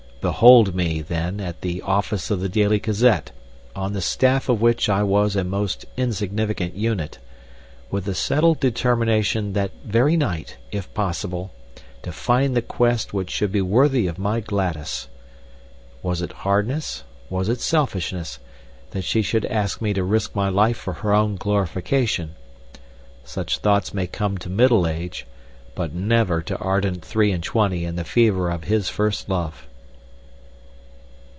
Behold me, then, at the office of the Daily Gazette, on the staff of which I was a most insignificant unit, with the settled determination that very night, if possible, to find the quest which should be worthy of my Gladys! Was it hardness, was it selfishness, that she should ask me to risk my life for her own glorification? Such thoughts may come to middle age; but never to ardent three and twenty in the fever of his first love.